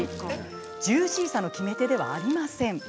ジューシーさの決め手ではありません。